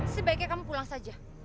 sebaiknya kamu pulang saja